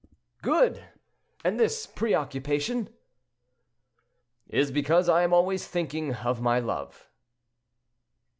"Good! And this preoccupation?" "Is because I am always thinking of my love."